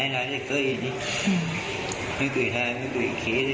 เล่นยาก็เรียนอารมณ์